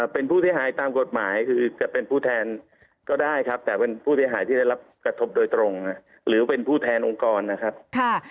เป็นผู้เสียหายตามกฎหมายคือจะเป็นผู้แทนก็ได้ครับแต่เป็นผู้เสียหายที่ได้รับกระทบโดยตรงหรือเป็นผู้แทนองค์กรนะครับ